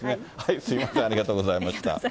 すみません、ありがとうございました。